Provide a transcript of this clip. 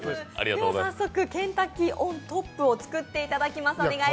では、早速ケンタッキーＯｎＴｏｐを作っていただきます。